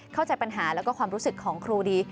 เข้าใจปัญหาแล้วก็ความรู้สึกของครูดี